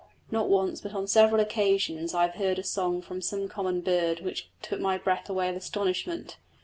Not once but on several occasions I have heard a song from some common bird which took my breath away with astonishment.